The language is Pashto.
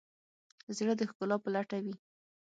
زړه د ښکلا په لټه وي.